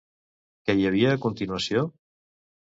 Què hi havia a continuació?